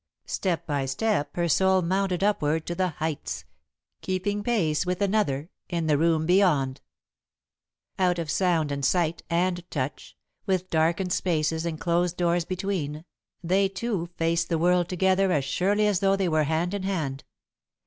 Step by step her soul mounted upward to the heights, keeping pace with another, in the room beyond. [Sidenote: Edith's Revelation] Out of sound and sight and touch, with darkened spaces and closed doors between, they two faced the world together as surely as though they were hand in hand.